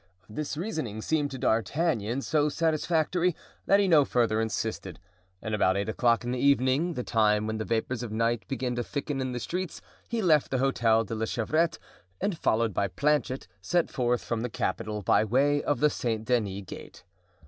This reasoning seemed to D'Artagnan so satisfactory that he no further insisted; and about eight o'clock in the evening, the time when the vapors of night begin to thicken in the streets, he left the Hotel de la Chevrette, and followed by Planchet set forth from the capital by way of the Saint Denis gate.